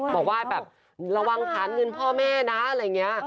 บอกว่าแบบระวังฐานเงินพ่อแม่นะอะไรอย่างนี้